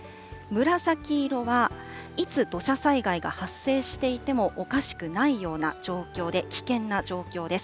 紫色は、いつ土砂災害が発生していてもおかしくないような状況で、危険な状況です。